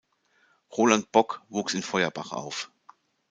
Roland Bock wuchs in Feuerbach auf.